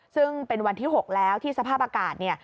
ซึ่งเป็นวันที่๖แล้วที่สภาพอากาศเนี่ย